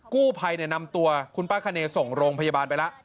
กู้ภัยนำตัวคุณป้าคเนย์ส่งโรงพยาบาลไปแล้ว